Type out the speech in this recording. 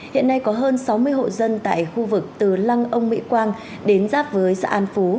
hiện nay có hơn sáu mươi hộ dân tại khu vực từ lăng ông mỹ quang đến giáp với xã an phú